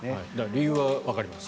理由はわかります。